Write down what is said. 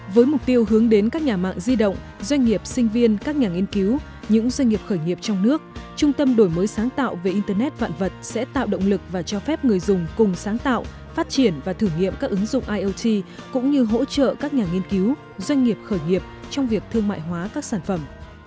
với mục tiêu hướng đến các nhà mạng di động doanh nghiệp sinh viên các nhà nghiên cứu những doanh nghiệp khởi nghiệp trong nước trung tâm đổi mới sáng tạo về internet vạn vật sẽ tạo động lực và cho phép người dùng cùng sáng tạo phát triển và thử nghiệm các ứng dụng iot cũng như hỗ trợ các nhà nghiên cứu doanh nghiệp khởi nghiệp trong việc thương mại hóa các sản phẩm